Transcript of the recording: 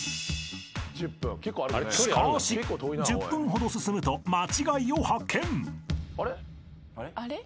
［しかし１０分ほど進むと間違いを発見！］